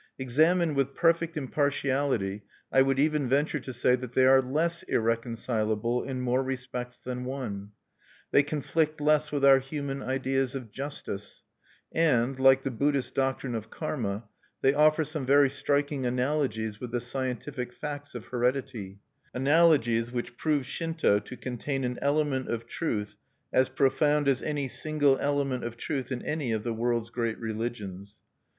Examined with perfect impartiality, I would even venture to say that they are less irreconcilable in more respects than one. They conflict less with our human ideas of justice; and, like the Buddhist doctrine of karma, they offer some very striking analogies with the scientific facts of heredity, analogies which prove Shinto to contain an element of truth as profound as any single element of truth in any of the world's great religions.